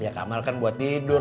ya kamal kan buat tidur